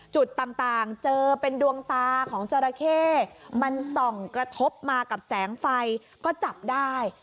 จุดต่างเจอเป็นดวงตาของจราเข้มันส่องกระทบมากับแสงไฟก็จับได้